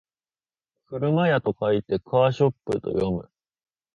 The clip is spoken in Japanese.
車屋と書いてカーショップと読む